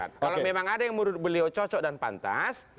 kalau memang ada yang menurut beliau cocok dan pantas